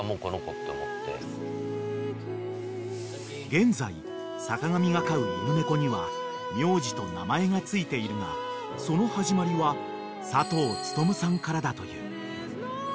［現在坂上が飼う犬猫には名字と名前が付いているがその始まりは佐藤ツトムさんからだという］